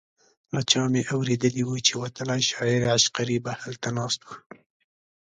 له چا مې اورېدي وو چې وتلی شاعر عشقري به هلته ناست و.